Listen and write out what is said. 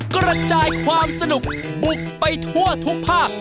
กระจายความสนุกบุกไปทั่วทุกภาค